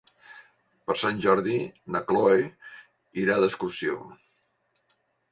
Per Sant Jordi na Cloè irà d'excursió.